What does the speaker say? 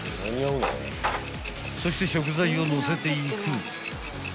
［そして食材をのせていく］